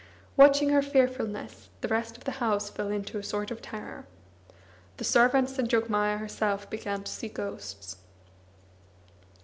Watching her fearfulness, the rest of the house fell into a sort of terror. The servants and Jogmaya herself began to see ghosts.